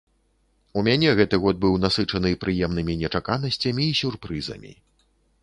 У мяне гэты год быў насычаны прыемнымі нечаканасцямі і сюрпрызамі.